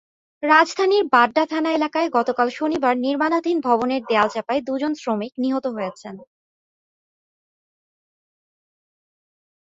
রাজধানীর বাড্ডা থানা এলাকায় গতকাল শনিবার নির্মাণাধীন ভবনের দেয়ালচাপায় দুজন শ্রমিক নিহত হয়েছেন।